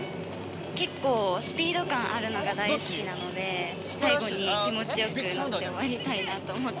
結構スピード感あるのが大好きなので、最後に気持ちよく乗って、終わりたいなと思って。